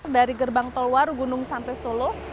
dari gerbang tol waru gunung sampai solo